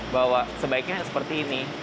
bahwa sebaiknya seperti ini